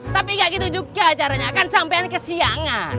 tapi gak gitu juga caranya kan sampean kesiangan